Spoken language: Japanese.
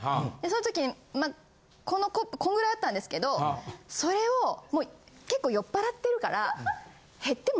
そのときにこのコップこんぐらいあったんですけどそれを結構酔っぱらってるから。